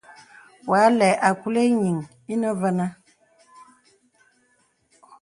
Wà lɛ àkùla ìyìŋ ìnə vənə.